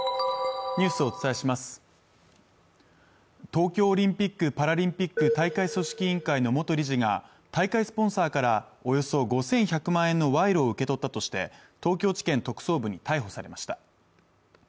東京オリンピック・パラリンピック大会組織委員会の元理事が大会スポンサーからおよそ５１００万円の賄賂を受け取ったとして東京地検特捜部に逮捕されました